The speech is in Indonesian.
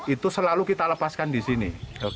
itu selalu kita lepaskan di sini